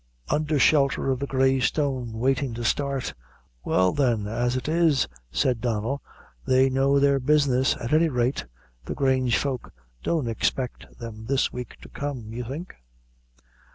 _" "Undher shelter of the Grey Stone, waitin' to start." "Well, then, as it it," said Donnel, "they know their business, at any rate. The Grange folk don't expect them this week to come, you think?"